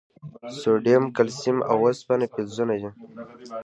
سوډیم، کلسیم، او اوسپنه فلزونه دي.